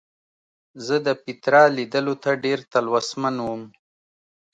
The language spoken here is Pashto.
زه د پیترا لیدلو ته ډېر تلوسمن وم.